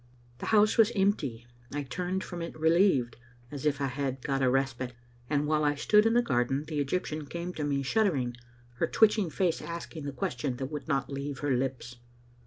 The house was empty. I turned from it relieved, as if I had got a respite, and while I stood in the garden the Egyptian came to me shuddering, her twitching face asking the question that would not leave her lips.